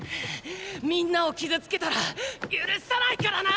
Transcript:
皆を傷つけたら許さないからな！